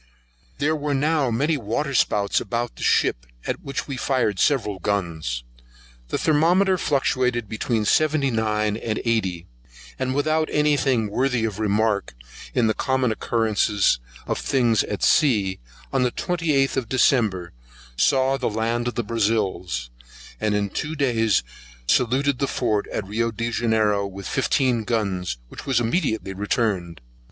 There were now many water spouts about the ship, at which we fired several guns: the thermometer fluctuated between seventy nine and eighty, and without any thing worthy of remark, in the common occurrence of things at sea, on the twenty eight of December saw the land of the Brazils, and in two days saluted the fort at Rio Janiero with fifteen guns, which was immediately returned.